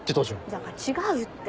だから違うって。